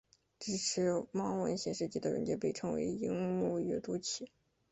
支援盲文显示机的软件被称为萤幕阅读器。